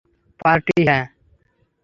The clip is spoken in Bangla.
পার্টি, হ্যাঁ।